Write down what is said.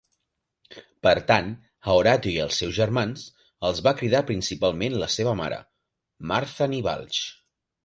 Per tant, a Horatio i als seus germans els va criar principalment la seva mare, Martha nee Balch.